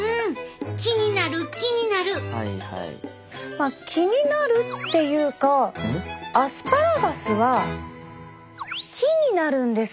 まあ気になるっていうかアスパラガスは木になるんです。